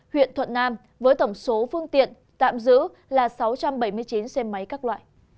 huyện thuận nam với tổng số phương tiện tạm giữ là sáu trăm bảy mươi chín xe máy các loại